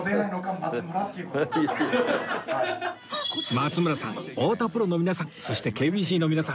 松村さん太田プロの皆さんそして ＫＢＣ の皆さん